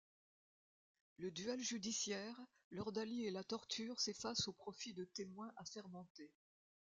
Le duel judiciaire, l'ordalie et la torture s'effacent au profit des témoins assermentés.